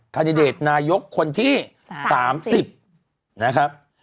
คันดิเดตนายกคนที่๓๐นะครับ